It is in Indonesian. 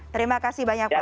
terima kasih banyak pak